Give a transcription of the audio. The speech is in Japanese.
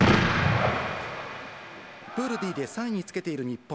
プールＤで３位につけている日本。